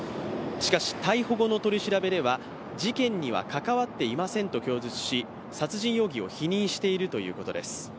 しかし、逮捕後の取り調べでは、事件には関わっていませんと供述し、殺人容疑を否認しているということです。